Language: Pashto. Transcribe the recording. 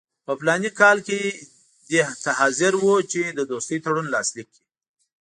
په فلاني کال کې دې ته حاضر وو چې د دوستۍ تړون لاسلیک کړي.